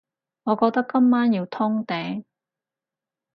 我覺得今晚要通頂